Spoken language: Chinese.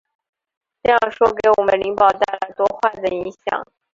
这样说给我们灵宝带来多坏的影响！